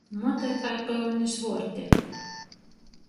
Mute kai pyunis vuorti.